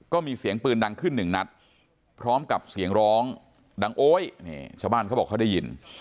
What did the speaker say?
ก็มีเสียงปืนดังขึ้นหนึ่งนัดพร้อมกับเสียงร้องดังโอ๊ยนี่ชาวบ้านเขาบอกเขาได้ยิน